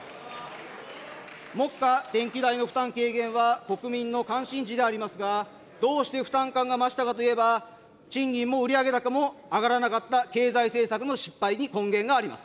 目下、電気代の負担軽減は国民の関心事でありますが、どうして負担感が増したかといえば、賃金も売り上げ高も上がらなかった経済政策の失敗に根源があります。